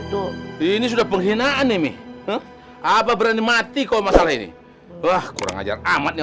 tuh ini sudah penghinaan nih mi apa berani mati kalau masalah ini wah kurang ngajar amat nih